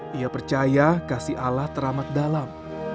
dia mempercaya kasih allah teramat dalam